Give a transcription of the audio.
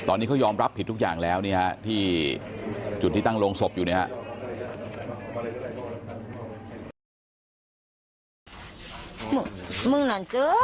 อันนี้เขายอมรับผิดทุกอย่างแล้วที่จุดที่ตั้งลงศพอยู่เนี่ยฮะ